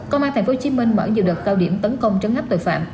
công an tp hcm mở nhiều đợt cao điểm tấn công trấn ngắp tội phạm